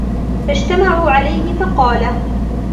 فَاجْتَمَعُوا عَلَيْهِ فَقَالَ